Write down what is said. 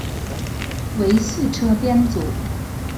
为四车编组。